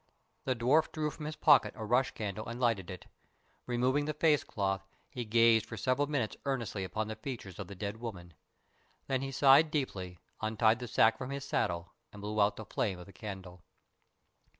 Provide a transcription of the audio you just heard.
The dwarf drew from his pocket a rush candle and lighted it. Removing the face cloth he gazed for several minutes earnestly upon the features of the dead woman. Then he sighed deeply, untied the sack from his saddle and blew out the flame of the candle.